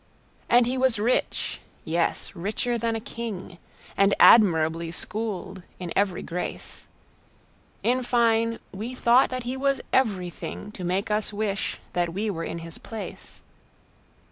And he was rich,—yes, richer than a king,—And admirably schooled in every grace:In fine, we thought that he was everythingTo make us wish that we were in his place.